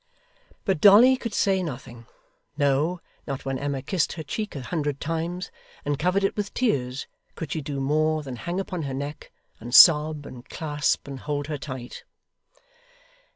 But Dolly could say nothing; no, not when Emma kissed her cheek a hundred times, and covered it with tears, could she do more than hang upon her neck, and sob, and clasp, and hold her tight.